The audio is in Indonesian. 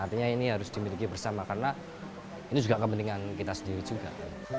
artinya ini harus dimiliki bersama karena ini juga kepentingan kita sendiri juga